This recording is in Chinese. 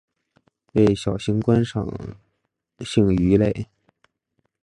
为小型观赏性鱼类。